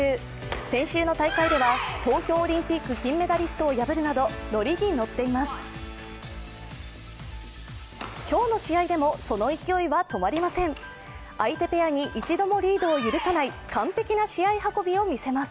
先週の大会では東京オリンピック金メダリストを破るなどノリに乗っています。